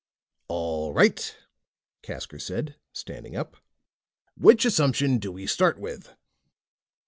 "All right," Casker said, standing up. "Which assumption do we start with?"